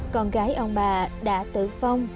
con gái ông bà đã tử phong